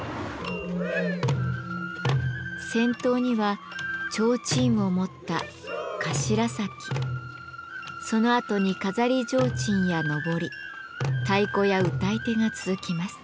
先頭には提灯を持ったそのあとに飾り提灯や幟太鼓や歌い手が続きます。